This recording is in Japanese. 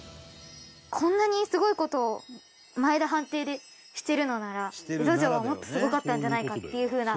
こんなにすごい事を前田藩邸でしてるのなら江戸城はもっとすごかったんじゃないかっていう風な。